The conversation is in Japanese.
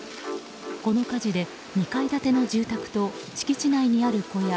この火事で２階建ての住宅と敷地内の小屋